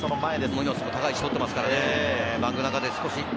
ムニョスも高い位置をとっていますからね。